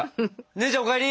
姉ちゃんお帰り。